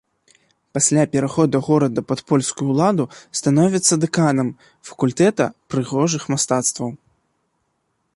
Пасля пераходу горада пад польскую ўладу становіцца дэканам факультэта прыгожых мастацтваў.